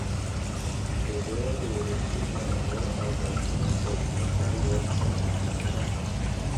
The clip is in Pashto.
دده د ولسي ترانو او نظمونو پر ځمکه یو شمېر موتیفونه